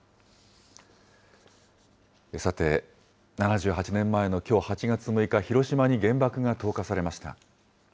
さて、７８年前のきょう８月６日、広島に原爆が投下されました。